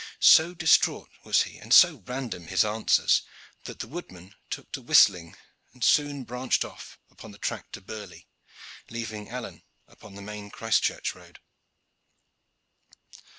So distrait was he and so random his answers, that the woodman took to whistling, and soon branched off upon the track to Burley, leaving Alleyne upon the main Christchurch road.